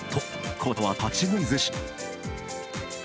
こちらは、立ち食いずし。